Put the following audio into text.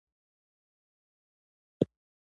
چرچرک نارې وهلې.